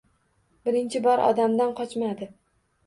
Birinchi bor odamdan qochmadi.